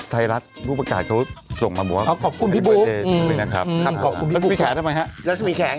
แล้วสมียแขทำไมฮะ